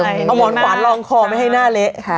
เอาหมอนขวานลองคอไม่ให้หน้าเละค่ะ